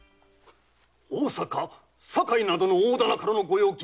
大阪・堺などの大店からの御用金